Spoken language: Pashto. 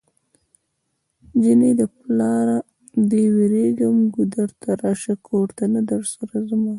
جنۍ د پلاره دی ويريږم ګودر ته راشه کور ته نه درسره ځمه